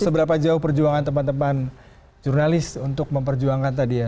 seberapa jauh perjuangan teman teman jurnalis untuk memperjuangkan tadi ya